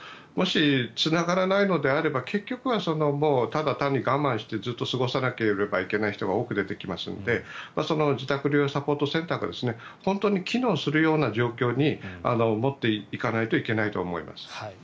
もし、つながらないのであれば結局はただ単に我慢してずっと過ごさなければいけない人が多く出てきますので自宅療養サポートセンターが本当に機能するような状況に持っていかないといけないと思います。